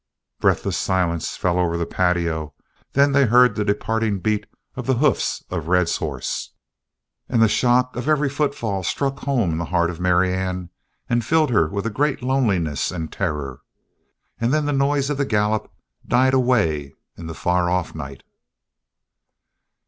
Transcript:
Breathless silence fell over the patio, and then they heard the departing beat of the hoofs of Red's horse. And the shock of every footfall struck home in the heart of Marianne and filled her with a great loneliness and terror. And then the noise of the gallop died away in the far off night.